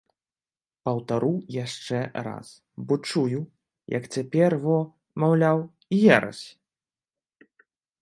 Паўтару яшчэ раз, бо чую, як цяпер, во, маўляў, ерась!